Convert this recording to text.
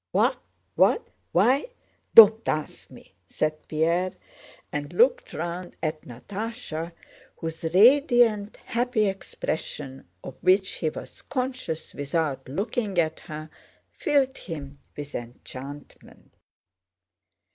"What? What? Why? Don't ask me," said Pierre, and looked round at Natásha whose radiant, happy expression—of which he was conscious without looking at her—filled him with enchantment.